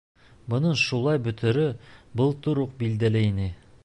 Бының шулай бөтөрө былтыр уҡ билдәле ине.